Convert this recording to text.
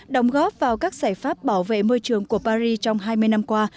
đồng góp vào các giải pháp bảo vệ môi trường của paris trong hai mươi năm qua